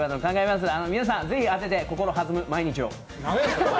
ぜひ皆さん当てて、心弾む毎日を。